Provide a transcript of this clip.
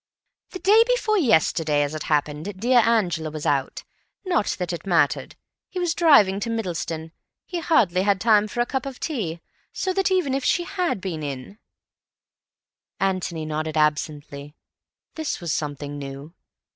"The day before yesterday. As it happened, dear Angela was out. Not that it mattered. He was driving to Middleston. He hardly had time for a cup of tea, so that even if she had been in—" Antony nodded absently. This was something new.